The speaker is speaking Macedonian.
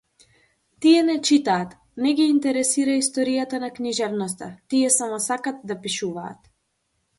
Тие не читаат, не ги интересира историјата на книжевноста, тие само сакат да пишуваат.